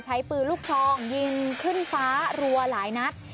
ใช้ปืนลูกซองยิงขึ้นฟ้ารัวหลายนัด